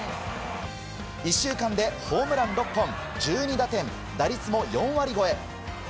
１週間でホームラン６本１２打点打率も４割超え。